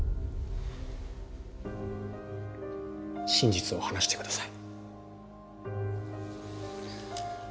真実を話してください。